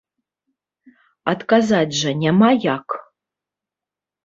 Адказаць жа няма як!